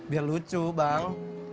biar lucu bang